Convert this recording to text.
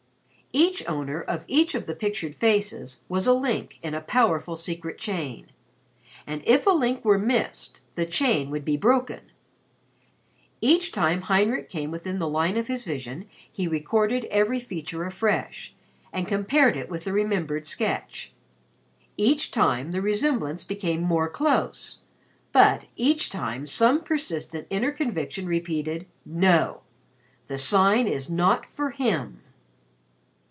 Each owner of each of the pictured faces was a link in a powerful secret chain; and if a link were missed, the chain would be broken. Each time Heinrich came within the line of his vision, he recorded every feature afresh and compared it with the remembered sketch. Each time the resemblance became more close, but each time some persistent inner conviction repeated, "No; the Sign is not for him!"